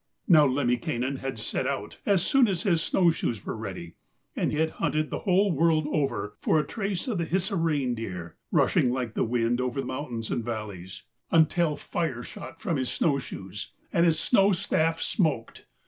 Now Lemminkainen had set out, as soon as his snow shoes were ready, and had hunted the whole world over for a trace of the Hisi reindeer, rushing like the wind over mountains and valleys, until the fire shot from his snow shoes, and his snow staff smoked.